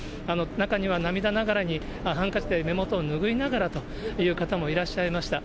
中には、涙ながらにハンカチで目元を拭いながらという方もいらっしゃいました。